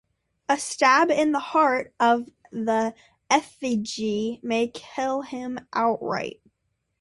A stab in the heart of the effigy may kill him outright.